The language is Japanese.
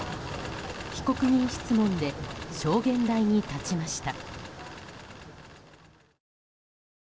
被告人質問で証言台に立ちました。